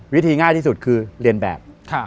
วิธีง่ายที่สุดคือเรียนแบบ